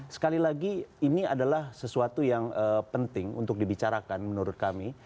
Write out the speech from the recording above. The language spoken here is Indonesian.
sekali lagi ini adalah sesuatu yang penting untuk dibicarakan menurut kami